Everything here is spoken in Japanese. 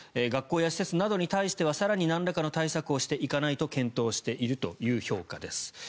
学校や施設などに対しては更になんらかの対策をしていかないと検討しているという評価です。